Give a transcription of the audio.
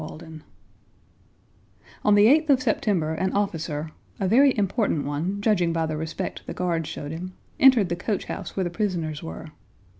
CHAPTER X On the eighth of September an officer—a very important one judging by the respect the guards showed him—entered the coach house where the prisoners were.